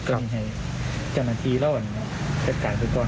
ก็มีให้กรรมทีเล่าวันเศรษฐการณ์สุดตอน